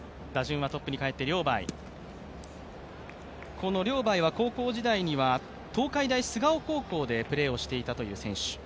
このリョウ・バイは高校時代には東海大菅生高校でプレーをしていたという選手。